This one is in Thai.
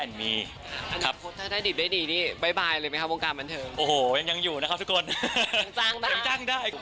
จริงมีคนรู้ถึงติดแล้วดีนี่บายเลยไหมคะบุงการบันเทิม